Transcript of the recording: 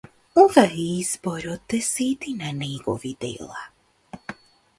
Ова е избор од десетина негови дела.